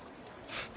フッ。